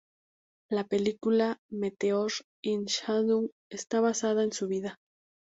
La película "Meteor and Shadow" está basada en su vida.